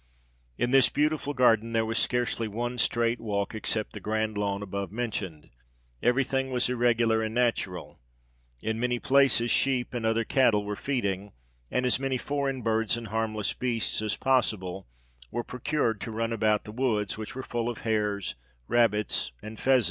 In this beautiful gar den, there was scarcely one straight walk, except the grand lawn above mentioned : every thing was irregular and natural. In many places sheep, and other cattle were feeding ; and as many foreign birds, and harmless beasts as possible were procured to run about the woods, which were full of hares, rabbits, and pheasants.